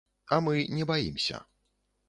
А мы не баімся.